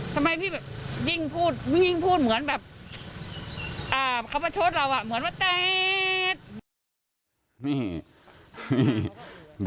ทำไมพี่วิ่งพูดเหมือนแบบคำว่าโชช์เราเหมือนว่าเต็ด